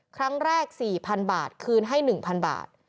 ครั้ง๔๐๐๐บาทคืนให้๑๐๐บาท